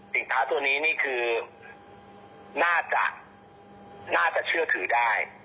สิ่งท้าตัวนี้นี่คือน่าจะเชื่อถือได้